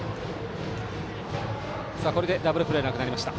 これでダブルプレーはなくなりました。